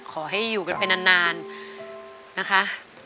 ขอให้อยู่กันไปนานนะคะ